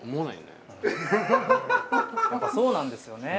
そうなんですよね。